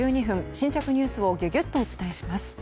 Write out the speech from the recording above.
新着ニュースをギュギュッとお伝えします。